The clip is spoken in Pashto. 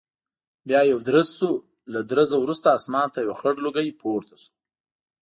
بیا یو درز شو، له درزه وروسته اسمان ته یو خړ لوګی پورته شو.